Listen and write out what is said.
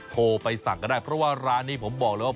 โทรไปสั่งก็ได้เพราะว่าร้านนี้ผมบอกเลยว่า